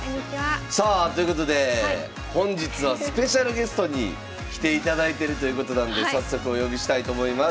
さあということで本日はスペシャルゲストに来ていただいてるということなんで早速お呼びしたいと思います。